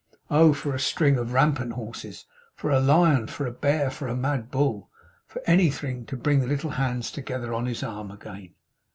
Oh for a string of rampant horses! For a lion, for a bear, for a mad bull, for anything to bring the little hands together on his arm again!